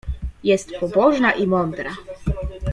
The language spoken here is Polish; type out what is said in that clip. Jest pobożna i mądra.